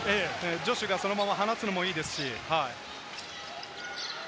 ジョシュがそのまま放つのもいいですし。